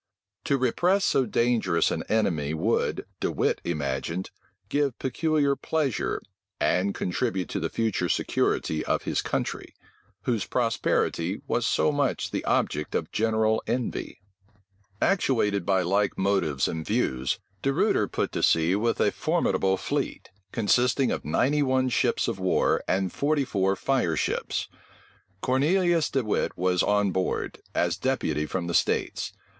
To repress so dangerous an enemy would, De Wit imagined, give peculiar pleasure, and contribute to the future security of his country, whose prosperity was so much the object of general envy. Actuated by like motives and views, De Ruyter put to sea with a formidable fleet, consisting of ninety one ships of war and forty four fireships. Cornelius De Wit was on board, as deputy from the states.